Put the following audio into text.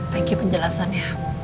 thank you penjelasannya